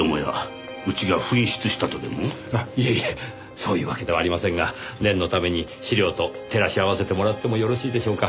そういうわけではありませんが念のために資料と照らし合わせてもらってもよろしいでしょうか？